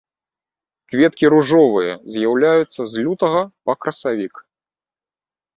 Кветкі ружовыя, з'яўляюцца з лютага па красавік.